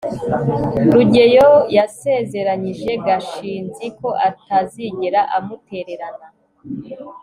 rugeyo yasezeranyije gashinzi ko atazigera amutererana